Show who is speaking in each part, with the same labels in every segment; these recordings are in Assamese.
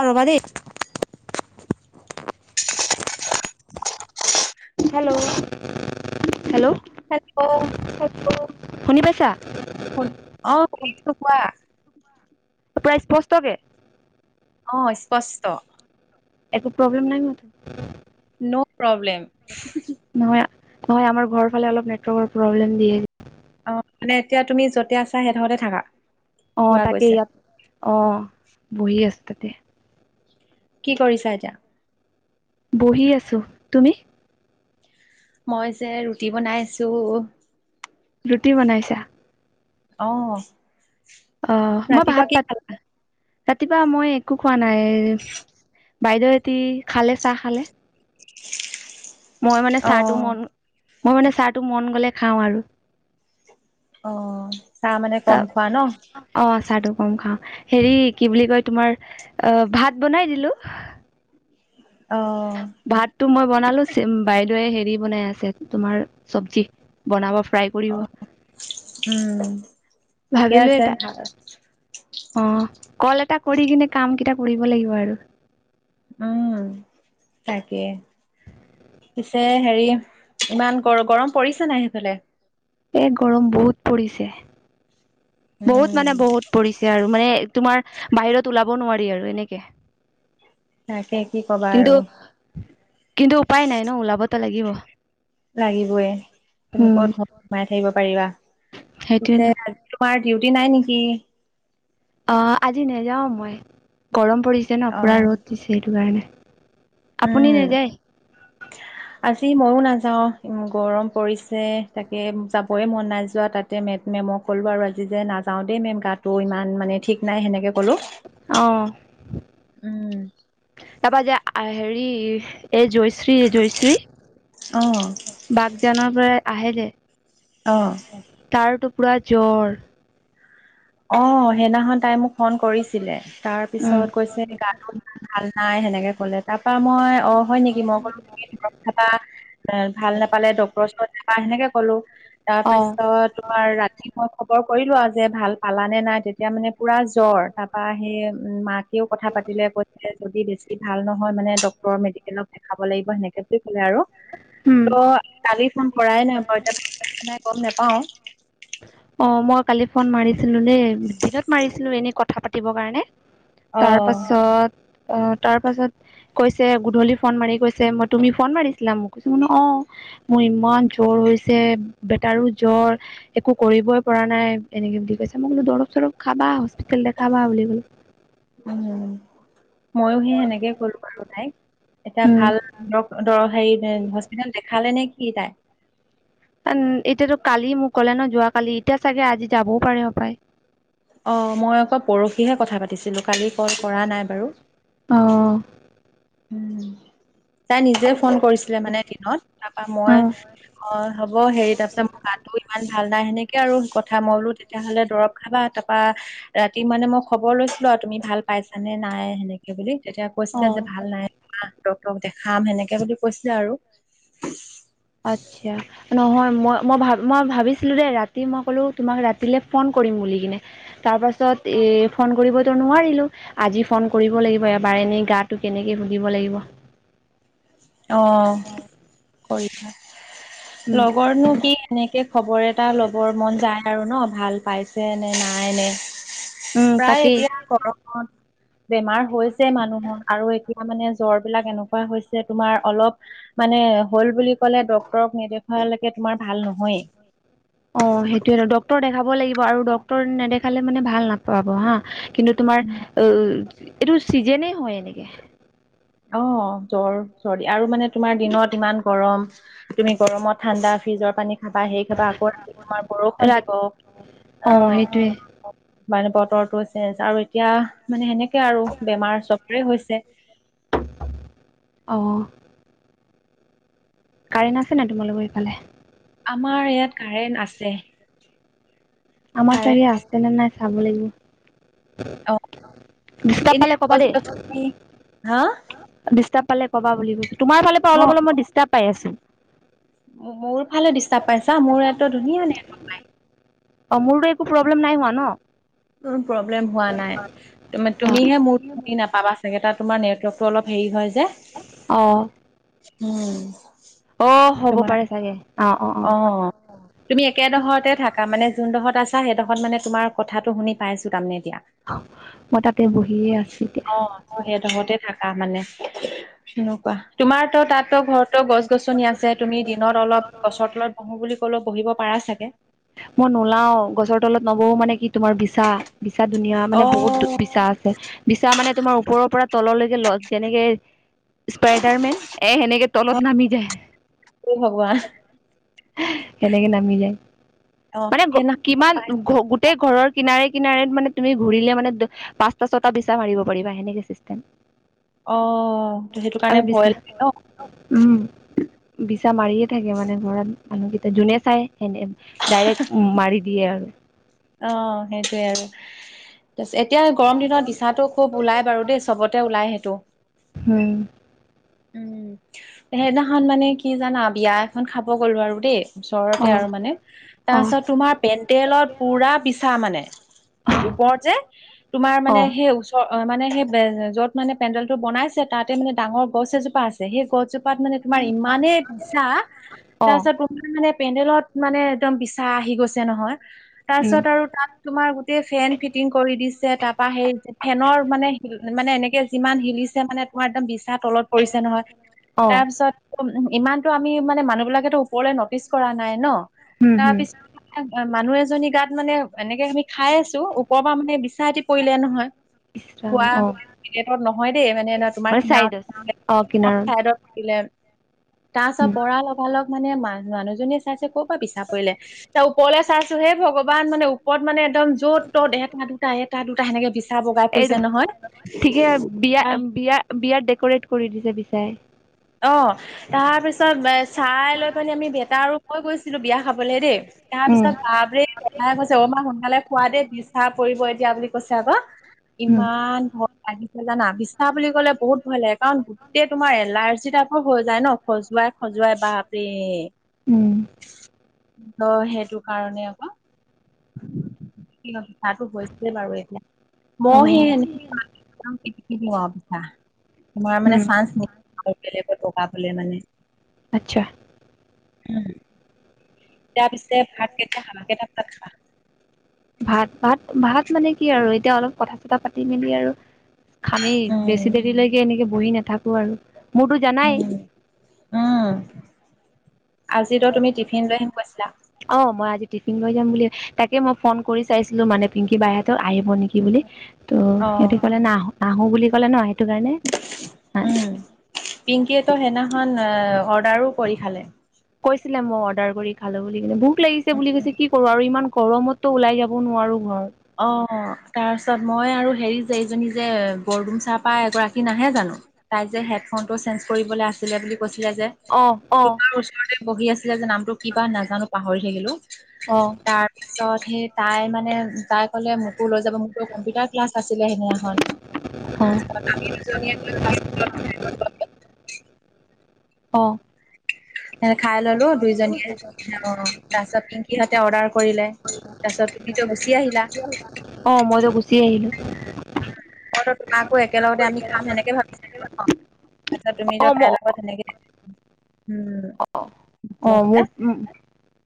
Speaker 1: অ', ৰ'বা দেই। হেল্ল', হেল্ল', হেল্ল', শুনি পাইছা?
Speaker 2: শুন, অ', শুনিছোঁ কোৱা?
Speaker 1: অ প্ৰায় স্পষ্টকে?
Speaker 2: অ', স্পষ্ট।
Speaker 1: একো প্ৰব্লেম নাই ন?
Speaker 2: ন' প্ৰব্লেম হুহু।
Speaker 1: নহয়, নহয় আমাৰ ঘৰফালে অলপ নেটৱৰ্কৰ প্ৰব্লেম দিয়ে
Speaker 2: অ' মানে এতিয়া তুমি য'তে আছা সেই দখৰতে থাকা।
Speaker 1: অ'
Speaker 2: পোৱা
Speaker 1: তাকে
Speaker 2: গৈছে
Speaker 1: ইয়াত, অ', বহি আছো তাতে।
Speaker 2: কি কৰিছা এতিয়া?
Speaker 1: বহি আছো, তুমি?
Speaker 2: মই যে ৰুটি বনাই আছো।
Speaker 1: ৰুটি বনাইছা?
Speaker 2: অ'।
Speaker 1: অ' মই
Speaker 2: ৰাতিপুৱা
Speaker 1: ভাত
Speaker 2: কি
Speaker 1: পাত,
Speaker 2: খালা
Speaker 1: ৰাতিপুৱা মই একো খোৱা নাই বাইদেউ এতি খালে চাহ খালে। মই মানে
Speaker 2: অ
Speaker 1: চাহটো মন, মই মানে চাহটো মন গ'লে খাওঁ আৰু।
Speaker 2: অ, চাহ মানে
Speaker 1: ত
Speaker 2: কম খোৱা ন?
Speaker 1: অ চাহটো কম খাওঁ, হেৰি কি বুলি কয় তোমাৰ, অ ভাত বনাই দিলো।
Speaker 2: অ'।
Speaker 1: ভাতটো মই বনালো, চিম বাইদেৱে হেৰি বনাই আছে, তোমাৰ চবজি বনাব। ট্ৰাই
Speaker 2: অ
Speaker 1: কৰিব,
Speaker 2: উম ঠিকে
Speaker 1: ভাবিলো
Speaker 2: আছে
Speaker 1: এটা
Speaker 2: ভাল
Speaker 1: অ, কল এটা কৰি কিনে কাম কেইটা কৰিব লাগিব আৰু।
Speaker 2: উম, তাকে। পিছে হেৰি ইমান গৰ গৰম পৰিছে নাই সেইফালে?
Speaker 1: এ গৰম বহুত পৰিছে, বহুত
Speaker 2: উম
Speaker 1: মানে বহুত পৰিছ তে আৰু মানে তোমাৰ বাহিৰত ওলাব নোৱাৰি আৰু এনেকে।
Speaker 2: তাকে। কি কবা
Speaker 1: কিন্তু
Speaker 2: আৰু
Speaker 1: কিন্তু উপায় নাই ন ওলাবত লাগিব।
Speaker 2: লাগিবয়ে
Speaker 1: উম
Speaker 2: তেনেকুৱা [unintelligible] সোমাই থাকিব পাৰিবা
Speaker 1: সেইটোয়ে
Speaker 2: পিছে তোমাৰ ডিউটি নাই নেকি?
Speaker 1: অ, আজি নেযাও মই, গৰম পৰিছে ন
Speaker 2: অ
Speaker 1: পুৰা ৰ'দ দিছে সেইটো কাৰণে। আপুনি
Speaker 2: উম
Speaker 1: নেযায়?
Speaker 2: আজি মইও নাযাও, ই গৰম পৰিছে তাকে যাবই মন নাই যোৱা তাত তে মে মেমক ক'লো আৰু আজি যে নাযাও দেই মেম গাতটো ইমান মানে ঠিক নাই, সেনেকে ক'লো।
Speaker 1: অহ
Speaker 2: উম
Speaker 1: তাৰপা যে আহ হেৰি এ জয়শ্ৰী, জয়শ্ৰী
Speaker 2: অ
Speaker 1: বাগজানৰ পৰা আহে দে।
Speaker 2: অ'।
Speaker 1: তাৰটো পুৰা জ্বৰ।
Speaker 2: অ, সেইদিনাখন তাই মোক ফোন কৰিছিলে, তাৰ
Speaker 1: উম
Speaker 2: পিছত কৈছে গাতো ভাল নাই, সেনেকে ক'লে। তাৰ পৰা মই অ, হয়, নেকি মই কলো তুমি দৰব খাবা, ভাল নাপালে ড ডক্টৰ ওচৰত যাবা সেনেকে ক'লো, তাৰ
Speaker 1: অ
Speaker 2: পিছত তোমাৰ ৰাতি মই খবৰ কৰিলো আৰু যে ভাল। পালা নে নাই, তেতিয়া মানে পুৰা জ্বৰ তাৰ পা সেই মাকেও কথা পাতিলে। যদি বেছি ভাল নহয় মানে, ডক্তৰৰ মেডিকেলক দেখাব লাগিব সেনেকে বুলি ক'লে আৰু।
Speaker 1: উম।
Speaker 2: অ, কালি ফোন কৰাই নাই বাৰু এতিয়াাই গম নেপাও।
Speaker 1: অ, মই কালি ফোন মাৰিছিলো দেই, দিনত মাৰিছিলো এনে কথা পাতিবৰ কাৰণে। তাৰ
Speaker 2: অ',
Speaker 1: পাছত, আহ, তাৰ পাছত কৈছে গুধূলি ফোন মাৰি কৈছে, মই, তুমি ফোন মাৰিছিলা মোক বোলো অ'। মোৰ ইমান জ্বৰ হৈছে, বেটাৰো জ্বৰ। একো কৰিবই পৰা নাই, এনেকে বুলি কৈছে, মই কলো দৰৱ, চৰৱ খাবা, হস্পিতেল দেখাবা বুলি কলো।
Speaker 2: উম, ময়ো সেই সেনেকে কলো আৰু তাইক এটা
Speaker 1: উম
Speaker 2: ভাল, ডক হেৰি, হস্পিতেেলত দেখালে নে, কি, তাই
Speaker 1: এতিয়াতো কালি মোক ক'লে ন, যোৱ কালি, এতিয়া চাগে আজি যাবও পাৰে, স পায়।
Speaker 2: অ, মই আকৌ পৰহিহে কথা পাতিছিলোঁ, কালি কল কৰা নাই বাৰু।
Speaker 1: অ'।
Speaker 2: উম। তাই নিজে ফোন কৰিছিলে মানে দিনত, তাৰপা মই
Speaker 1: অ',
Speaker 2: অ, হ'ব হেৰি তাৰপিছত মই গা ধুই, ইমান ভাল নাই, সেনেকে আৰু কথা মই বোলো তেতিয়াহ'লে দৰৱ খাবা তাৰপা, ৰাতি মানে মই খবৰ লৈছিলো আৰু তুমি ভাল পাইছানে, নাই, সেনেকে বুলি তেতিয়া কৈছিলা
Speaker 1: অ',
Speaker 2: যে, ভাল নাই পোৱা ডক্তৰক দেখাম, সেনেকে বুলি কৈছিলে আৰু।
Speaker 1: আচ্ছা। নহয় মই, মই, ভ, মই ভাবিছিলোঁ দেই ৰাতি মই ক'লোঁ তোমাক ৰাতিলৈ ফোন কৰিম বুলি কিনে। তাৰপাছত এই ফোন কৰিবতো নোৱাৰিলোঁ। আজি ফোন কৰিব লাগিব এবাৰ, এনেই গাটো কেনেকৈ সুধিব লাগিব।
Speaker 2: অ, কৰিবা,
Speaker 1: উম,
Speaker 2: লগৰনো কি? সেনেকে খবৰ এটা ল'বৰ মন যায় আৰু ন, ভাল পাইছে নে, নাই, নে।
Speaker 1: উম,
Speaker 2: প্ৰায়
Speaker 1: তাকেই
Speaker 2: এতিয়া গৰমত বেমাৰ হৈছে মানুহৰ আৰু এ এতিয়া মানে জ্বৰ বিলাক এনেকুৱা হৈছে, তোমাৰ অলপ মানে হ'ল বুলি ক'লে ডক্তৰক নেদেখুৱালৈকে তোমাৰ ভাল নহয়ে।
Speaker 1: [inaudible] অ', সেইটোয়েটো ডক্টৰক দেখাব লাগিব আৰু ডক্টৰক নেদেখালে মানে ভাল নাপাব হা। কিন্তু তোমাৰ, ও এইটো চিজেনেই হয় এনেকে।
Speaker 2: অ' জ্বৰ, চৰ্দি আৰু মানে তোমাৰ দিনত ইমান গৰম, তুমি গৰমত ঠাণ্ডা ফ্ৰিজৰ পানী, খাবা সেই খাবা আকৌ ৰা তোমাৰ বৰষুণ
Speaker 1: ৰাত
Speaker 2: দিব। অ' মানে বতৰটো চেঞ্চ আৰু এতিয়া মানে সেনেকে আৰু বেমাৰ চবৰে হৈছে।
Speaker 1: অ কাৰেণ্ট আছে নাই তোমালোকৰ সেইফালে?
Speaker 2: আমাৰ ইয়াত কাৰেণ্ট আছে।
Speaker 1: আমাৰ
Speaker 2: কাৰেণ্ট
Speaker 1: চাইদে আছেনে নাই চাব লাগিব।
Speaker 2: অ
Speaker 1: ডিষ্টাৰ্ব
Speaker 2: এনে
Speaker 1: পালে ক'বা
Speaker 2: গছ
Speaker 1: দেই।
Speaker 2: গছনি হা
Speaker 1: ডিষ্টাৰ্ব পালে কবা বুলি কৈছোঁ। তোমাৰ ফালৰ পৰা অলপ অলপ মই ডিষ্টাৰ্ব পাই আছোঁ।
Speaker 2: মো-মোৰ ফালে ডিষ্টাবছা? মোৰ ইয়াত টো ধুনীয়া নেটৱৰ্ক।
Speaker 1: অ', মোৰতো একো প্ৰব্লেম নাই হোৱা ন'?
Speaker 2: প্ৰব্লেম হোৱা নাই তুমি তুমিহে মোৰ বুজি নাপাবা চাগে তাত তোমাৰ নেটৱৰ্কটো অলপ হেৰি হয় যে।
Speaker 1: অ'।
Speaker 2: উম।
Speaker 1: অ' হ'ব পাৰে চাগে।
Speaker 2: অ'।
Speaker 1: [unintelligible]
Speaker 2: তুমি একেডোখৰতে থাকা, মানে যোনডোখৰত আছা সেইডোখৰত মানে তোমাৰ কথাটো শুনি পাইছোঁ তাৰমানে এতিয়া।
Speaker 1: মই তাতে বহিয়ে আছোঁ এতিয়া।
Speaker 2: অ', সিহঁতৰ ঘৰতে থাকা মানে, সনেকুৱা। তোমাৰটো তাতটো ঘৰতো গছ -গছনি আছে। তুমি দিনত অলপ গছৰ তলত বহো বুলি ক'লেও বহিব পাৰা চাগে?
Speaker 1: মই নোলাও গছৰ তলত নবহো, মানে কি তোমাৰ বিছা। বিছা দুনীয়াৰ মানে বহুত
Speaker 2: অ'
Speaker 1: বিছা আছে। বিছা মানে তোমাৰ ওপৰৰ পৰা তললৈকে ল যেনেকে স্পাইডাৰমেন, এ সেনেকে তলত নামি যায়।
Speaker 2: ভগৱান
Speaker 1: সেনেকে নামি যায়।
Speaker 2: অ
Speaker 1: মানে গ
Speaker 2: সেইদিনা
Speaker 1: কিমান গো গোটেই ঘৰৰ কিনাৰে কিনাৰে মানে তুমি ঘূৰিলে মানে দে পাঁচটা ছটা বিছা মাৰিব পাৰিবা, সেনেকে চিষ্টেম।
Speaker 2: অ', ত' সেইটো
Speaker 1: আমি
Speaker 2: কাৰণে
Speaker 1: বিছা
Speaker 2: ভয় লাগে ন'?
Speaker 1: উম, বিছা মাৰিয়ে থাকে মানে ঘৰত, মানুহকেইটা যোনে চাই সেনে ডাইৰেক্ট মাৰি দিয়ে আৰু।
Speaker 2: অ', সেইটোৱে আৰু। এতিয়া গৰম দিনত বিছাটো খুব ওলাই বাৰু দেই চবতে ওলাই সেইটো।
Speaker 1: উম
Speaker 2: উম, সেইদিনাখন মানে কি জানা বিয়া এখন খাব গ'লো আৰু দেই। ওচৰতে
Speaker 1: অ
Speaker 2: আৰু মানে,
Speaker 1: অ
Speaker 2: তাৰপাছত তোমাৰ পেণ্ডেলত পুৰা বিছা মানে, ওপৰত যে, তোমাৰ মানে সেই অ', অ', মানে সেই য'ত মানে পেণ্ডেল টো বনাইছে, তাতে মানে ডাঙৰ গছ এজোপা আছে। সেই গছজোপা ত মানে তোমাৰ ইমানে বিছা,
Speaker 1: অ
Speaker 2: তাৰপিছত তো পেণ্ডেলত মানে একদম বিছা আহি গৈছে নহয়,
Speaker 1: উম
Speaker 2: তাৰপিছত আৰু তাত তোমাৰ গোটেই ফেন ফিটিং কৰি দিছে। তাৰপৰা হে ফেনৰ মানে মানে এনেকে যিমান হিলিছে মানে মোৰ একদম বিছা তলত পৰিছে নহয়।
Speaker 1: অ
Speaker 2: তাৰপিছত ইমানতটো আমি মানে মানুহ বিলাকেতো ওপৰলৈ নটিচ কৰা নাই ন'
Speaker 1: হম
Speaker 2: তাৰ
Speaker 1: হম
Speaker 2: পিছত মানুহ এজনী গাত মানে এনেকে আমি খাই আছোঁ। ওপৰৰ পৰা মানে বিছা এতি পৰিলে নহয়।
Speaker 1: ইছ ৰাম
Speaker 2: খোৱা
Speaker 1: অ
Speaker 2: পেকেটত নহয় দেই মানে ন' তোমাৰ
Speaker 1: মানে চাইডত অ কিনাৰত
Speaker 2: [unintelligible] থাকিলে তাৰপাছত
Speaker 1: উম
Speaker 2: পৰা লগালগ মানে ম-মানুহজনীয়ে চাইছে ক'ৰ পৰা বিছা পৰিলে। তাৰ ওপৰলৈ চাইছো হেই ভগৱান মানে ওপৰত মান একদম য'ত ত'ত এটা দুটা এটা দুটা সেনেকে বিছা বগাই
Speaker 1: এইটো
Speaker 2: ফুৰিছে
Speaker 1: ঠিকে বিয়া
Speaker 2: নহয়।
Speaker 1: বিয়া বিয়াত ডেক'ৰেট কৰি দিছে বিছাই।
Speaker 2: অ', তাৰ পিছত চাই লৈ পিনে আমি বেটা আৰু মই গৈছিলো বিয়া খাবলৈ দেই। তাৰ
Speaker 1: উম
Speaker 2: পিছত বাপৰে [unintelligible] কৈছে অ', মা সোনকালে খোৱা দেই বিছা পৰিব এতিয়া বুলি কৈছে আকৌ।
Speaker 1: উম
Speaker 2: ইমান ভয় লাগিছিল জানা, বিছা বুলি ক'লে বহুত ভয় লাগে কাৰণ গোটেই তোমাৰ এলাৰ্জি টাইপৰ হৈ যায় ন' খজুৱাই খজুৱাই বাপৰে।
Speaker 1: উম
Speaker 2: অ', সেইটো কাৰণে আকৌ বিছাটো গৈছে বাৰু এতিয়া,
Speaker 1: অ
Speaker 2: মইয়ো সেই [unintelligible] [unintelligible] বিছা, তোমাৰ মানে
Speaker 1: উম
Speaker 2: চাঞ্চ নাপালোঁ চাঞ্চ বেলেগত লগাবলে মানে
Speaker 1: আচ্ছা।
Speaker 2: উম। এতিয়া পিছে, ভাত কেতিয়া খাবা, কেইটা বাজাত খাবা?
Speaker 1: ভাত, ভাত ভাত মানে কি আৰু, এতিয়া অলপ কথা-চথা পাত পাতি, মেলি আৰু, খামেই বেছি
Speaker 2: উম
Speaker 1: দেৰিলৈকে এনেকে বহি নাথাকো আৰু। মোৰতো জানাই
Speaker 2: উম, উম, আজিতো, তুমি টিফিন লৈ আহিম কৈছিলা।
Speaker 1: অ', মই আজি টিফিন লৈ যাম বুলি, তাকে মই ফোন কৰি চাইছিলো মানে, পিংকি বাইহঁতক আহিব নেকি। বুলি, ত'
Speaker 2: অ
Speaker 1: সিহঁতি ক'লে নাহো, নাহো বুলি ক'লে ন কাৰণে
Speaker 2: উম, পিংকিয়েতো সেইদিনাখন এ অৰ্ডাৰো কৰি খালে।
Speaker 1: কৈছিলে, মই অৰ্ডাৰ কৰি খালো বুলি ক'লে, ভোক লাগিছে বুলি কৈছে, কি কৰো আৰু ইমান গৰমত। তো, ওলাই যাব নোৱাৰো ধৰ।
Speaker 2: অ', তাৰপিছত মই আৰু হেৰি যে, এইজনী যে বৰদোমচা পা এগৰাকী নাহে জানো। তাই যে, হেডফোনটো চেঞ্জ কৰিবলৈ আছিলে বুলি কৈছিলে যে।
Speaker 1: অ', অ'।
Speaker 2: পঢ়ি আছিলে যে, নামটো কিবা নাজানো, পাহৰি থাকিলো।
Speaker 1: অ
Speaker 2: তাৰ পিছত, সেই তাই মানে তাই ক'লে মোকো লৈ যাব, মোৰতো কম্পিউটাৰ ক্লাছ আছিলে সেইদিনাখন।
Speaker 1: অ
Speaker 2: আমি দুজনীয়ে [unintelligible]
Speaker 1: অ'।
Speaker 2: এ খাই ল'লো দুইজনীয়ে, তাছত পিংকিহঁতে অৰ্ডাৰ কৰিলে। তাছত, তুমিটো গুচি আহিলা।
Speaker 1: অ', মইতো গুচি আহিলো।
Speaker 2: মইটো চাহটো একেলগতে আমি খাম, সেনেকে ভাবিছিলো ন, তাছত তুমি
Speaker 1: অ
Speaker 2: ধৰ
Speaker 1: ম
Speaker 2: তাই লগত মই তেনেকে, উম। গুচি
Speaker 1: অ',
Speaker 2: আহিলা।
Speaker 1: মোৰ, উম,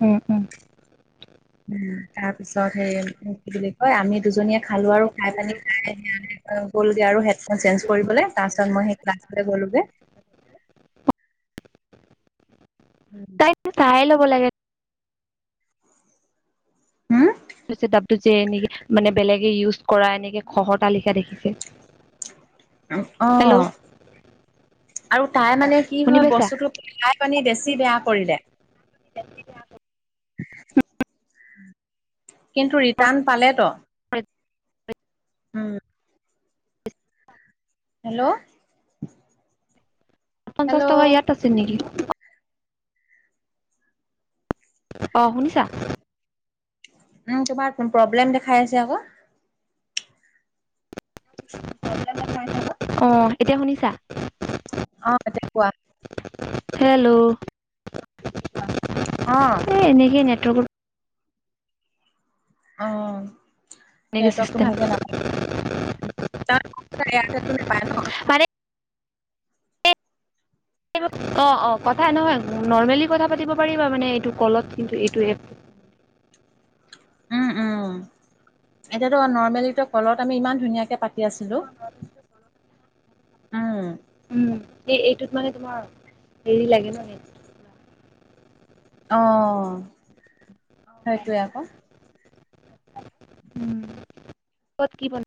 Speaker 1: উম, উম।
Speaker 2: তাৰপিছত, সেই কি বুলি কয়, আমি দুজনীয়ে খালো আৰু খাই-পানি [unintelligible] অ', গ'লগে আৰু হেডফোন চেঞ্জ কৰিবলৈ, তাৰপিছত মই সেই ক্লাছলৈ গ'লোগে। [inaudible]
Speaker 1: তাই ল'ব লাগে
Speaker 2: হুম।
Speaker 1: ছেটআপ যে নেকি, মানে বেলেগে ইউজ কৰা এনেকে, খহতা লিখা দেখিছোঁ। হেল্ল'
Speaker 2: অ'। আৰু তাই মানে কি
Speaker 1: শুনি
Speaker 2: হয়,
Speaker 1: পাইছা
Speaker 2: বস্তুটো তাই মানে বেছি বেয়া কৰিলে। কিন্তু, ৰিটাৰ্ণ পালেতো।
Speaker 1: [inaudible]
Speaker 2: উম। হেল্ল'।
Speaker 1: পঞ্চাছ
Speaker 2: হেল্ল'
Speaker 1: টকা ইয়াত আছে নেকি? অ', শুনিছা।
Speaker 2: উম, তোমাৰ প্ৰব্লেম দেখাই আছে আকৌ।
Speaker 1: অ', এতিয়া শুনিছা।
Speaker 2: অ', এতিয়া কোৱা।
Speaker 1: হেল্ল' [inaudible]
Speaker 2: অ'।
Speaker 1: এ এনেকে নেটৱৰ্কৰ
Speaker 2: অ'।
Speaker 1: এনেকে
Speaker 2: নেটৱৰ্কটো
Speaker 1: চিষ্টেম
Speaker 2: ভালকে নাপায় তাত, এয়াতেল টু [unintelligible] নেপাই ন?
Speaker 1: [unintelligible] অ', অ' কথা নহয় নৰ্মেলি কথা পাতিব পাৰিবা মানে এইটো ক'লত কিন্তু এইটো এপত
Speaker 2: উম, উম, এতিয়াতো নৰ্মেলি ক'লত আমি ইমান ধুনীয়াকে পাতি কি আছিলো উম।
Speaker 1: উম, সেই এইটোত মানে তোমাৰ হেৰি লাগে নে?
Speaker 2: অ', সেইটোৱে আকৌ।
Speaker 1: উ [unintelligible] ক'ত কি [unintelligible]